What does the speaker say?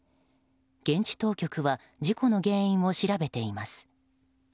現地当局は事故の原因を調べています。